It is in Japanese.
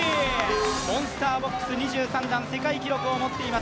モンスターボックス２３段、世界記録を持っています。